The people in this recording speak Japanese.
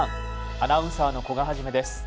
アナウンサーの古賀一です。